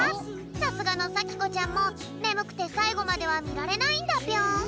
さすがのさきこちゃんもねむくてさいごまではみられないんだぴょん。